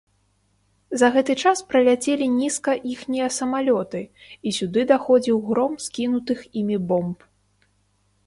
За гэты час праляцелі нізка іхнія самалёты, і сюды даходзіў гром скінутых імі бомб.